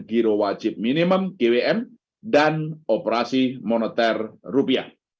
giro wajib minimum gwm dan operasi moneter rupiah